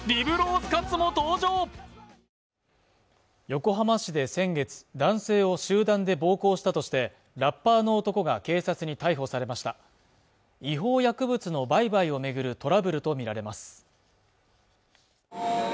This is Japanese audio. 横浜市で先月男性を集団で暴行したとしてラッパーの男が警察に逮捕されました違法薬物の売買をめぐるトラブルとみられます